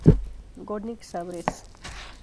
Górnik Zabrze